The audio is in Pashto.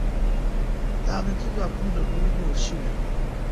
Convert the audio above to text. د امنیتي ځواکونو له لوري نیول شوی